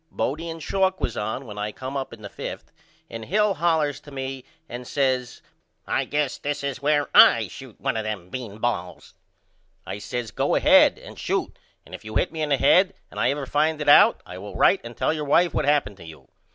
Bodie and Schalk was on when I come up in the 5th and Hill hollers to me and says I guess this is where I shoot one of them bean balls. I says Go ahead and shoot and if you hit me in the head and I ever find it out I will write and tell your wife what happened to you.